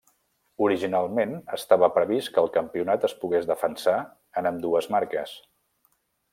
Originalment estava previst que el campionat es pogués defensar en ambdues marques.